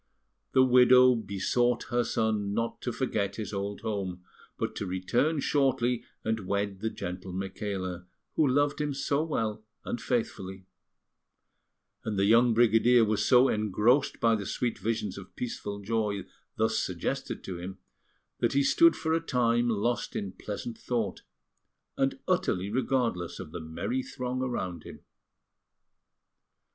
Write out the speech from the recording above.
The widow besought her son not to forget his old home, but to return shortly and wed the gentle Micaela, who loved him so well and faithfully; and the young brigadier was so engrossed by the sweet visions of peaceful joy thus suggested to him, that he stood for a time lost in pleasant thought, and utterly regardless of the merry throng around him.